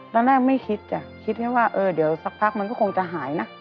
ตอนแรกไม่คิดจ้ะคิดแค่ว่าเออเดี๋ยวสักพักมันก็คงจะหายนะ